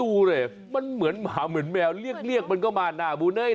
ดูดิมันเหมือนหมาเหมือนแมวเรียกมันก็มาหน้าบุญเอ้ย